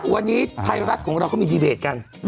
วันนี้ไทยรัฐของเราก็มีดีเบตกัน